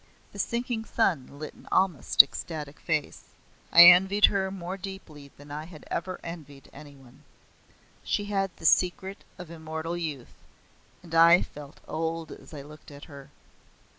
The sinking sun lit an almost ecstatic face. I envied her more deeply than I had ever envied any one. She had the secret of immortal youth, and I felt old as I looked at her.